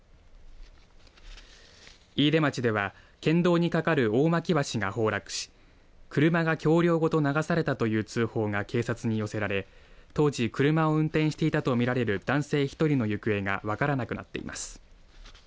飯豊町では県道に架かる大巻橋が崩落し車が橋りょうごと流されたという通報が警察に寄せられ当時車を運転していたと見られる男性１人の行方が分からなくなっています。